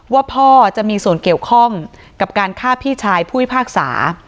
ว่าพ่อจะมีส่วนเกี่ยวข้องกับการฆ่าพี่ชายผู้พิพากษา